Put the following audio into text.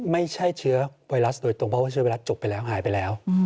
ไม่ใช่เชื้อไวรัสโดยตรงเพราะว่าเชื้อไวรัสจบไปแล้วหายไปแล้ว